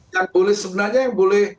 yang boleh sebenarnya yang boleh